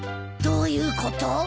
どういうこと？